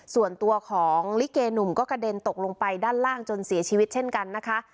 ส่วนตัวของลิเกหนุ่มก็กระเด็นตกลงไปด้านล่างจนเสียชีวิตเช่นกันนะคะ